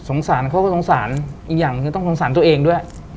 สารเขาก็สงสารอีกอย่างคือต้องสงสารตัวเองด้วย